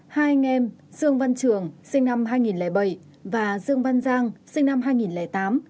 hai anh em dương văn trường sinh năm hai nghìn bảy và dương văn giang sinh năm hai nghìn tám